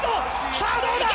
さあ、どうか！